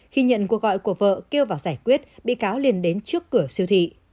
khi nhận cuộc gọi của vợ kêu vào giải quyết bị cáo liền đến trước cửa siêu thị